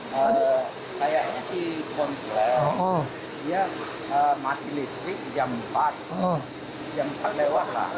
kayaknya sih ponsel dia mati listrik jam empat jam empat lewat lah